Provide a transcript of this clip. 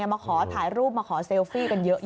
มาขอถ่ายรูปมาขอเซลฟี่กันเยอะ